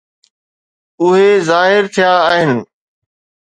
اهي ظاهر ٿيا آهن.